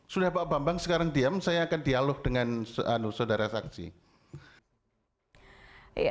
sudah pak bambang sekarang diam saya akan dialog dengan saudara saksi